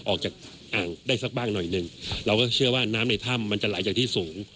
อ่างได้สักบ้างหน่อยหนึ่งเราก็เชื่อว่าน้ำในถ้ำมันจะไหลจากที่สูง